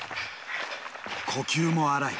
呼吸も荒い。